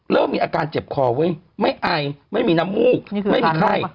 เริ่มมีอาการเจ็บคอเว้ยไม่ไอไม่มีน้ำมูกไม่มีไข้